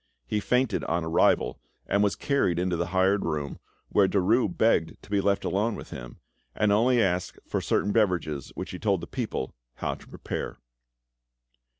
He fainted on arrival, and was carried into the hired room, where Derues begged to be left alone with him, and only asked for certain beverages which he told the people how to prepare.